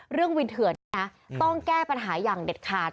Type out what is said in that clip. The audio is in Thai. เรื่องวินเถือนนี้ต้องแก้ปัญหาอย่างเด็ดขาด